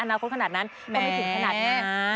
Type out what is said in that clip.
อนาคตขนาดนั้นก็ไม่ถึงขนาดนี้